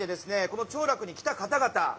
この兆楽に来た方々